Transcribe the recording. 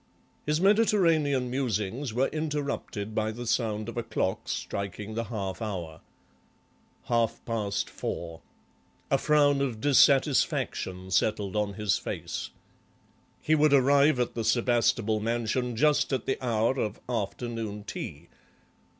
His Mediterranean musings were interrupted by the sound of a clock striking the half hour. Half past four. A frown of dissatisfaction settled on his face. He would arrive at the Sebastable mansion just at the hour of afternoon tea.